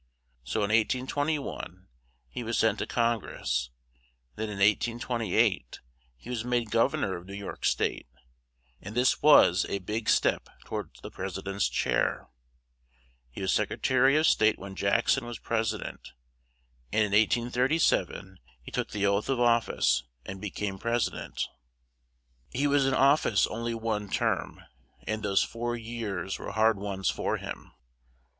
So in 1821 he was sent to Con gress; then in 1828 he was made gov ern or of New York state; and this was a big step toward the pres i dent's chair; he was sec re tary of state when Jack son was pres i dent; and in 1837 he took the oath of of fice, and be came pres i dent. He was in of fice on ly one term; and those four years were hard ones for him.